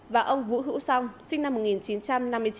và ông vũ hữu song sinh năm một nghìn chín trăm năm mươi chín